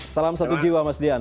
salam satu jiwa mas dian